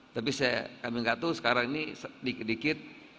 tapi saya kaminggatuh sekarang ini sedikit sedikit